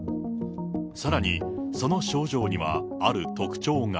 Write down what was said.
さらにその症状には、ある特徴が。